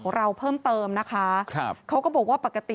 ของเราเพิ่มเพิ่มนะคะก็บอกว่าปกติ